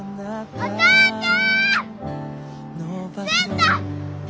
お父ちゃん！